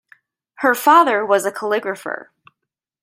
Her father was a calligrapher.